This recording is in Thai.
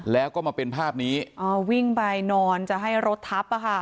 แล้วก็มาเป็นภาพนี้อ๋อวิ่งไปนอนจะให้รถทับอ่ะค่ะ